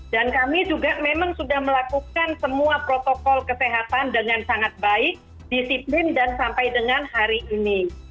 dan kami juga memang sudah melakukan semua protokol kesehatan dengan sangat baik disiplin dan sampai dengan hari ini